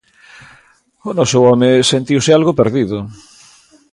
O noso home sentiuse algo perdido.